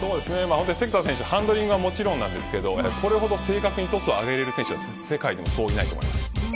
関田選手、ハンドリングはもちろんなんですけどこれほど正確にトスを上げられる選手は世界でもそういないと思います。